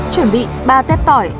chuẩn bị ba tép tỏi